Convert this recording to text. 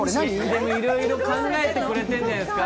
いろいろ考えてくれんじゃないですか？